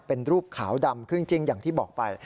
เป็นรูปขาวดำคือจริงอย่างที่บอกไป